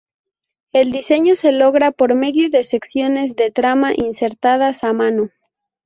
El diseño se logra por medio de secciones de trama insertadas a mano.